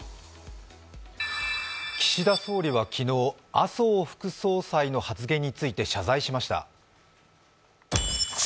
岸田総理は昨日、麻生副総裁の発言について謝罪しました。